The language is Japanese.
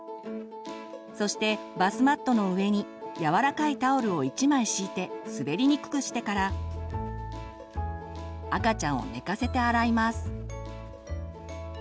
そしてバスマットの上に柔らかいタオルを１枚敷いて滑りにくくしてから赤ちゃんを寝かせて洗います。